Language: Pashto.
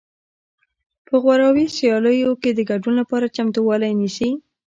په غوراوي سیالیو کې د ګډون لپاره چمتووالی نیسي